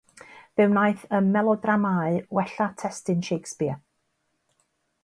Fe wnaeth y melodramâu wella testun Shakespeare.